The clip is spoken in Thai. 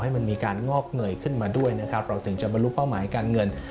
ให้มันมีการงอกเงยขึ้นมาด้วยนะครับเราถึงจะบรรลุเป้าหมายการเงิน